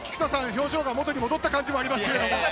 表情が元に戻った感じもあります。